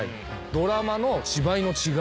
ドラマの芝居の違い？